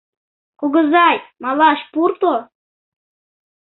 — Кугызай, малаш пурто?